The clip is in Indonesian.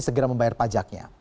segera membayar pajaknya